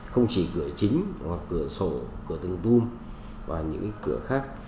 không chỉ cửa chính hoặc cửa sổ cửa tường tùm và những cái cửa khác